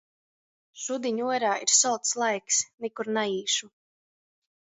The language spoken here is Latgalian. Šudiņ uorā ir solts laiks. Nikur naīšu.